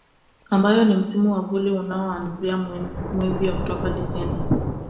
Ambayo ni Msimu wa Vuli unaoanzia mwezi Oktoba Desemba